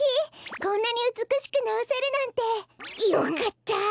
こんなにうつくしくなおせるなんて！よかった！